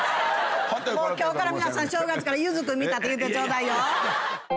もう今日から皆さん正月からゆづ君見たって言うてちょうだいよ。